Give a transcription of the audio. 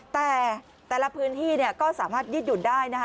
แต่แต่ละพื้นที่เนี่ยก็สามารถยืดหยุ่นได้นะคะ